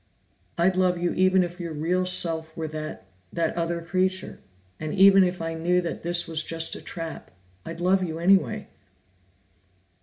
I'd love you even if your real self were that that other creature, and even if I knew that this was just a trap. I'd love you anyway."